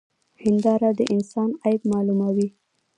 هنداره د انسان عيب معلوموي.